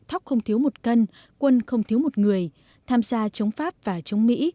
thóc không thiếu một cân quân không thiếu một người tham gia chống pháp và chống mỹ